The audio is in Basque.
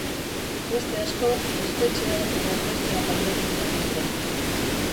Beste asko espetxea edo erbestea pairatzen ari dira.